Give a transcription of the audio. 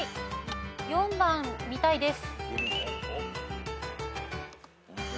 ４番見たいです。